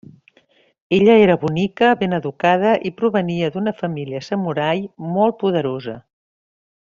Ella era bonica, ben educada i provenia d'una família samurai molt poderosa.